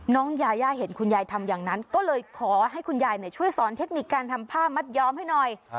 น้องยาย่าเห็นคุณยายทำอย่างนั้นก็เลยขอให้คุณยายช่วยสอนเทคนิคการทำผ้ามัดยอมให้หน่อย